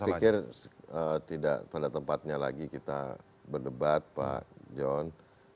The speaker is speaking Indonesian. saya pikir tidak pada tempatnya lagi kita berdebat pak john